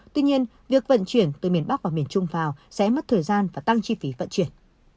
tuy nhiên việc vận chuyển từ miền bắc và miền trung vào sẽ mất thời gian và tăng chi phí vận chuyển